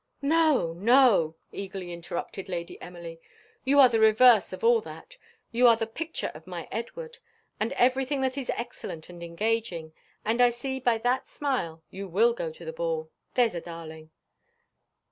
"No, no!" eagerly interrupted Lady Emily; "you are the reverse of all that. You are the picture of my Edward, and everything that is excellent and engaging; and I see by that smile you will go to the ball there's a darling!"